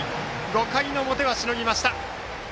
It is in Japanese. ５回の表はしのぎました。